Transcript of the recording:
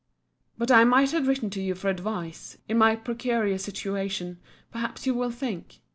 But I might have written to you for advice, in my precarious situation, perhaps you will think.